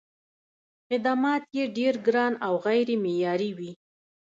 خدمات یې ډېر ګران او غیر معیاري وي.